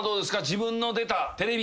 自分の出たテレビ。